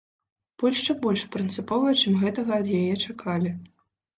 Польшча больш прынцыповая, чым гэтага ад яе чакалі.